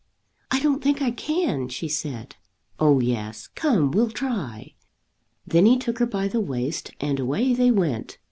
"I don't think I can," she said. "Oh yes; come, we'll try!" Then he took her by the waist, and away they went.